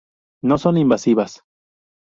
No son invasivas.